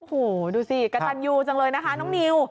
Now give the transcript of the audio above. โอ้โหดูสิกระทันยูจังเลยนะคะน้องนิว